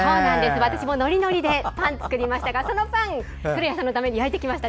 私もノリノリでパン作りましたがそのパン、古谷さんのために焼いてきました。